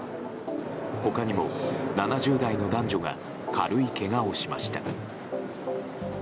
他にも７０代の男女が軽いけがをしました。